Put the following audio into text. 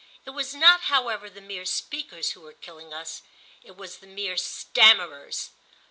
It was not however the mere speakers who were killing us—it was the mere stammerers.